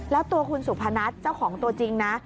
แล้วตัวคุณสุพนัทเจ้าของตัวจริงนะ